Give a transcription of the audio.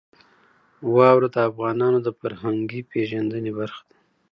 واوره د افغانانو د فرهنګي پیژندنې برخه ده.